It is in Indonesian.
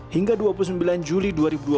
hingga dua puluh sembilan juli dua ribu dua puluh